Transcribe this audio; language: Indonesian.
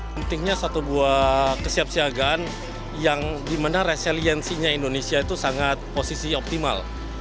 pentingnya satu buah kesiapsiagaan yang dimana resiliensinya indonesia itu sangat posisi optimal